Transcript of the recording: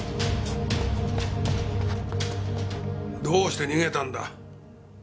どうして逃げたんだ？